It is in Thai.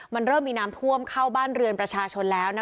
มันเริ่มมีน้ำท่วมเข้าบ้านเรือนประชาชนแล้วนะคะ